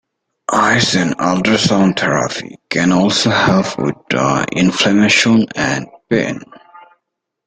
Ice and ultrasound therapy can also help with the inflammation and pain.